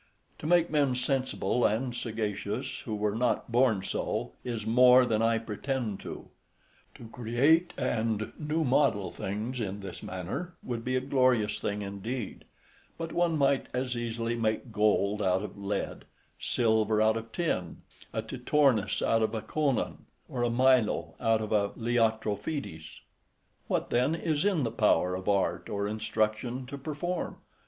To make men sensible and sagacious, who were not born so, is more than I pretend to; to create and new model things in this manner would be a glorious thing indeed; but one might as easily make gold out of lead, silver out of tin, a Titornus out of a Conon, or a Milo out of a Leotrophides. What then is in the power of art or instruction to perform?